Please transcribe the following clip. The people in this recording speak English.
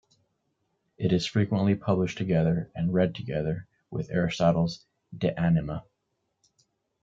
It is frequently published together, and read together, with Aristotle's "De Anima".